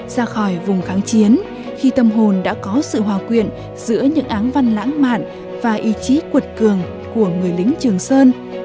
ra khỏi vùng kháng chiến khi tâm hồn đã có sự hòa quyện giữa những áng văn lãng mạn và ý chí cuột cường của người lính trường sơn